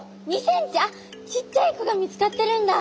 あっちっちゃい子が見つかってるんだ。